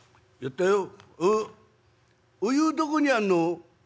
お湯どこにあんの？」。